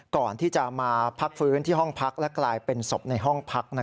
ก่อนที่จะมาพักฟื้นที่ห้องพักและกลายเป็นศพในห้องพัก